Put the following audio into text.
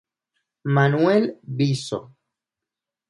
Manuel Viso.